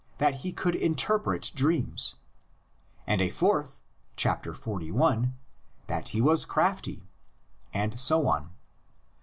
that he could interpret dreams; and a fourth (xli.) that he was crafty; and so on.